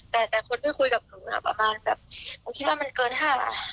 แต่แต่คนที่คุยกับหนูน่ะประมาณแบบหนูคิดว่ามันเกิน๕บาท